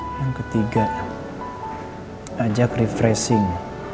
yang ketiga ajak refreshing